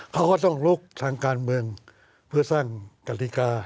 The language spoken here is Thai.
ค้าก็ต้องลุก